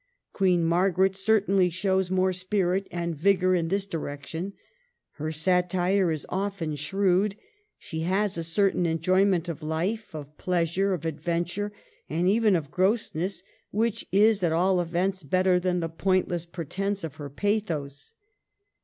Queen Margaret certainly shows more spirit and vigor in this direction ; her satire is often shrewd ; she has a certain enjoyment of life, of pleasure, of adventure, and even of grossness, which is at all events better than the pointless pretence of her pathos.